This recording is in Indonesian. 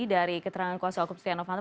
dari keterangan kuasa hukum setia novanto